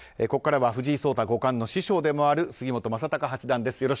ここからは藤井聡太五冠の師匠でもある杉本昌隆八段です。